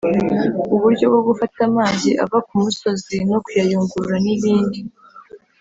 uburyo bwo gufata amazi ava ku misozi no kuyayungurura n’ibindi